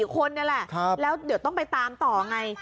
คนนี่แหละแล้วเดี๋ยวต้องไปตามต่อไง